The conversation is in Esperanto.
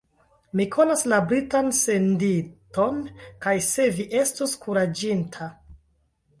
Mi konas la Britan senditon, kaj se vi estus kuraĝinta.